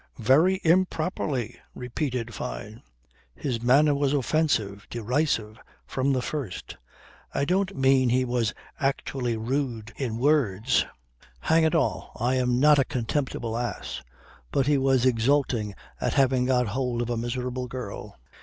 "Very improperly," repeated Fyne. "His manner was offensive, derisive, from the first. I don't mean he was actually rude in words. Hang it all, I am not a contemptible ass. But he was exulting at having got hold of a miserable girl."